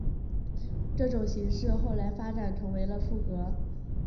这种形式后来发展成为了赋格。